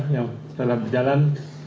yang telah berjalan